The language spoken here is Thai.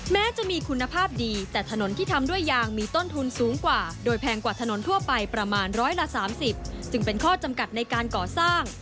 แม้จะมีคุณภาพดีแต่ถนนที่ทำด้วยยางมีต้นทุนสูงกว่าโดยแพงกว่าถนนทั่วไปประมาณร้อยละ๓๐ซึ่งเป็นข้อจำกัดในการก่อสร้าง